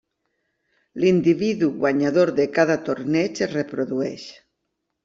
L'individu guanyador de cada torneig es reprodueix.